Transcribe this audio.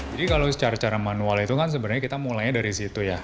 jadi kalau secara manual itu kan sebenarnya kita mulainya dari situ ya